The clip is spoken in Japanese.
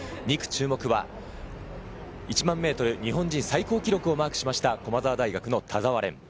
２区注目は１００００ｍ日本人最高記録をマークしました駒澤大学の田澤廉。